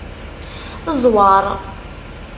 Zweṛ.